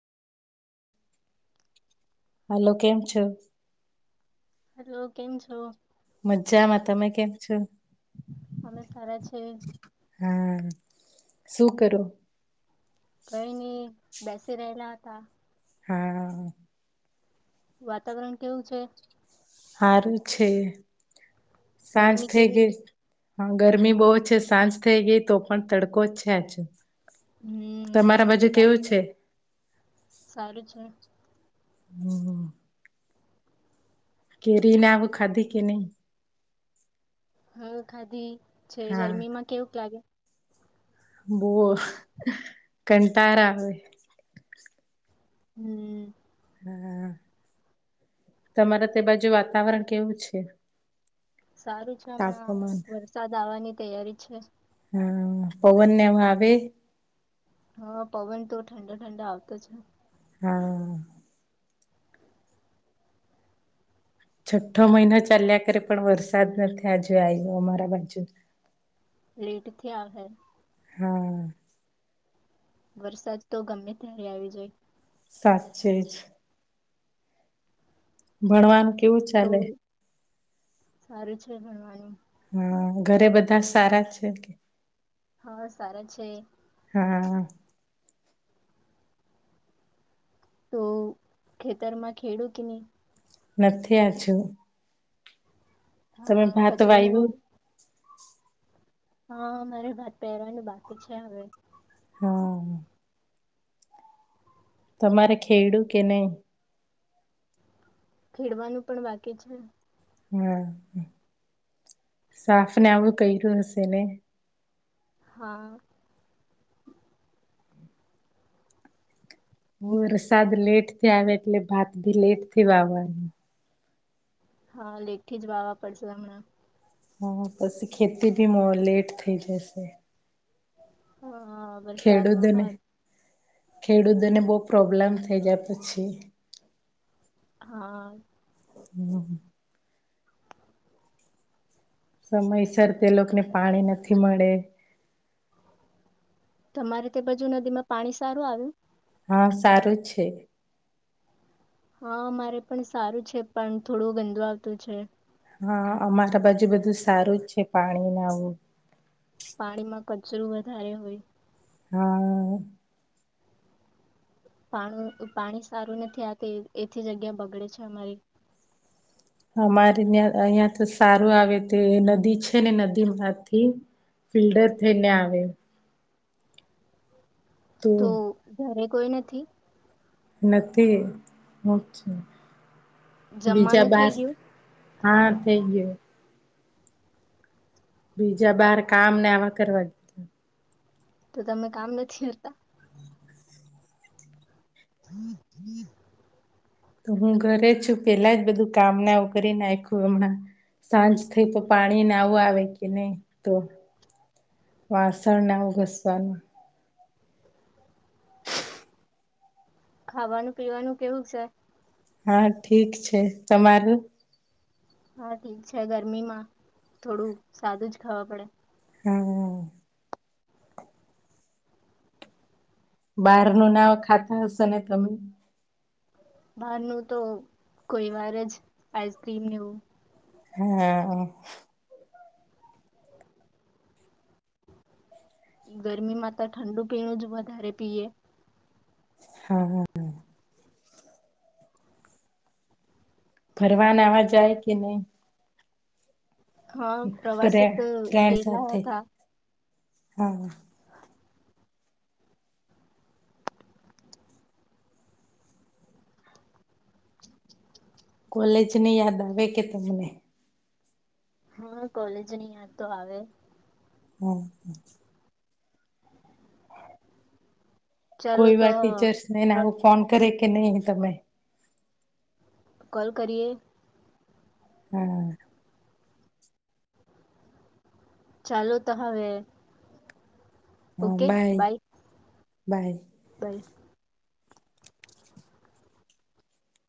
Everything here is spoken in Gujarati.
હલોો કેમ છ હેલો કેમ છો મજામાં તમે કેમ છો અમે સારા છે હા શું કરો કઈ નઈ બેસી રહેલા હતા હા વાતાવરણ કેવું છે હું છે સાંજ ગરમી થઈ કેવી રે- ગઈ હા ગરમી બહુ છે સાંજ થઇ ગઈ તો પણ તડકો જ છે આજ હમ તમારા ગરમી બજુ તો લાગે કેવું છે સારું છે [inaudible] કેરી ના આવું ખાધી કે નહી હમ ખાધી છે હા ગરમી માં કેવું ક્યાંાગે બો કંટાર આવે હમ હા તમારે તે બાજુ વાતાવરણ કેવું છે સારું છે હમણાં તાપમાન વરસાદ આવવાની તૈયારી છે હા પવનને એમ આવે હા પવન તો ઠંડા ઠંડા આવતો છે હા છઠ્ઠો મહિના ચાલ્યા કરે પણ વરસાદ નથી આ જો આવ્યો અમારા બાજુ લેટ થી આ હ હા વરસાદ તો ગમે ત્યારે આવી જાય સાચે જ ભણવાન કે કેવું તો ચાલે સારું છે ભણવાનું હા ઘરે બધા સારા છે કે હા સારા છે હા તો ખેતરમાં ખેડું કે નહી નથી આ છું તમે હા ભાત કચરો ને એવું વાય્યું [inaudible] હા મારે વાત પહેરવાની બાકી છે હવે હા તમારે ખેડું કે નહી ખેડવાનું પણ બાકી છે હા સાફ ને આવું કર્યું હશે ને હા હ વરસાદ લેટ થી આવે એટલે ભાત ભી લેટ થી વાવવાનું હા લેખ થી જ વાવા પડશે હમણાં હા પછી ખેતી ભી લેટ થઈ જશે હા વરસાદમાં ખેડૂતોને ભત ખેડૂતોને બહુ પ્રોબ્લેમ થઈ જાય પછી હા હમ સમયસર તે લોકોને પાણી નથી મળે તમારે તે બાજુ નદી માં પાણી સારું આવ્યું હા સારું છે હા મારે પણ સારું છે પણ થોડું ગંદુ આવતું છે હા અમારા બાજુ બધું સારું જ છે પાણી ના આવું પાણીમાં કચરું વધારે હોય હા પા પાણી સારું નથી આતી એથી જગ્યા બગડે છે અમારી અમારે ત્યાં અહિયાં તો સારું આવે તે નદી છે ને નદી માંથી ફિલ્ટર થઈને આવે તો જારે કોઈ નથી એ તે હ છે બીજા જમવાનું થઈ બાસ ગયું હા થઈ ગયયો બીજા બાર કામ ને આવા કરવા ગીધા તો તમે કામ નથી કરતા [inaudible] તો હું ઘરે છું પેલા જ બધું કામ ના કરી નાખું હમણાં સાંજ થઈ તો પાણી ના આવું આવે કે નહી તો વાસણ ના આવું ઘસવાનું ખાવાનું પીવાનું કેવું છે હા ઠીક છે તમારું હા ઠીક છે ગરમીમાં થોડું સાવાદું જ ખાવા પડે હા બારનું નાવ ખાતા હશે ને તમે બાર ન તો કોઈ વાર જ આઈસક્રીમ લનેવું હા ગરમીમાં તો ઠંડુ પીણું જ વધારે પીએ હા હા હા ફરવાનવા જાય કે નહી હા ફરે પ્રવાસે તો ફ્રેન્ડ ગેલા સાથે હતા હા કોલેજ ને યાદ આવે કે તમને હા કોલેજની યાદ તો આવે [inaudible] ચાલો તો કોઈવા ટીચર્સ નને નાું ફોન કરે કે નહી તમે કોલ કરીએ [inaudible] ચાલુ તો હવે ઓકે બાય બાય. બાય